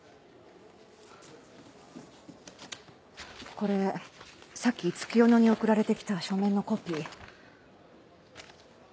これさっき月夜野に送られてきた書面のコピー。